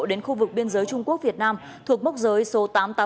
đến khu vực biên giới trung quốc việt nam thuộc mốc giới số tám trăm tám mươi tám